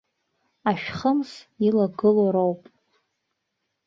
Ашәхымс илагылоу роуп.